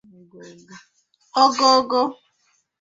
ogoogo